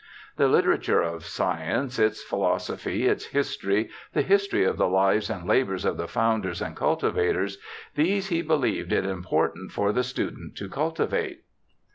The literature of science, its philosophy, its history, the history of the lives and labours of the founders and cultivators — these he believed it important for the student to cultivate.